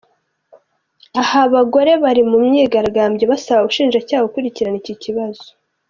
Aha bagore bari mu myigaragambyo basaba ubushinjacyaha gukurikirana iki kibazo.